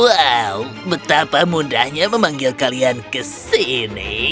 wow betapa mudahnya memanggil kalian ke sini